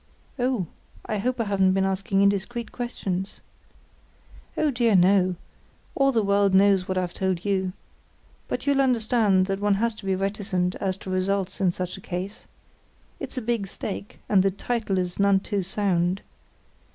"Oh, I hope I haven't been asking indiscreet questions?" "Oh, dear no; all the world knows what I've told you. But you'll understand that one has to be reticent as to results in such a case. It's a big stake, and the _title is none too sound.